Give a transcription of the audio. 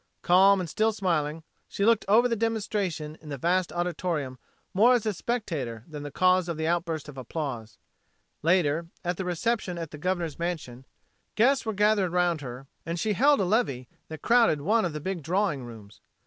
Calm and still smiling, she looked over the demonstration in the vast auditorium more as a spectator than as the cause of the outburst of applause. Later, at the reception at the Governor's mansion, guests gathered around her and she held a levee that crowded one of the big drawing rooms.